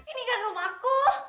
ini kan rumahku